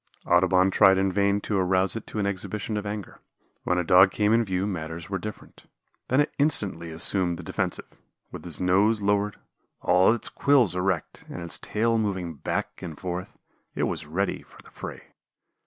Audubon tried in vain to arouse it to an exhibition of anger. When a Dog came in view matters were different. Then it instantly assumed the defensive. With its nose lowered, all its quills erect, and its tail moving back and forth, it was ready for the fray.